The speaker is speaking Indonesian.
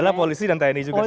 adalah polisi dan tni juga